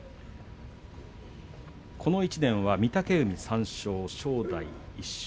この１年は御嶽海３勝正代、１勝。